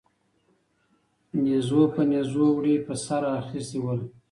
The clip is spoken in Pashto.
نيزو به نيزوړي پر سر را اخيستي ول